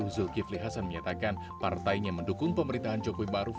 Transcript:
zulkifli hasan menyatakan partainya mendukung pemerintahan jokowi maruf